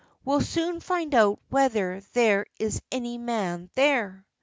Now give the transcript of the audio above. We'll soon find out whether there is any man there."